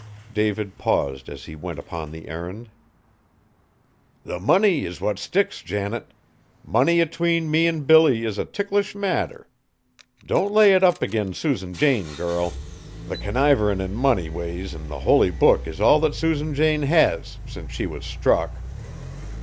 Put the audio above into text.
David paused as he went upon the errand. "The money is what sticks, Janet. Money atween me an' Billy is a ticklish matter. Don't lay it up agin Susan Jane, girl, the conniverin' in money ways an' the Holy Book is all that Susan Jane has, since she was struck."